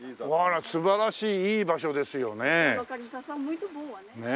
素晴らしいいい場所ですよね。